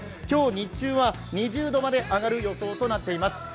今日日中は２０度まで上がる予想となっています。